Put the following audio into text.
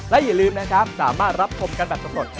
และอย่าลืมนะครับสามารถรับชมกันแบบสำรวจ